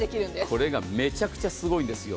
これがめちゃくちゃすごいんですよ。